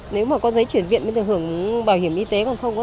nếu mà có giấy chuyển viện mới được hưởng bảo hiểm y tế còn không có